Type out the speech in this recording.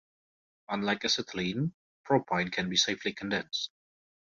Unlike acetylene, propyne can be safely condensed.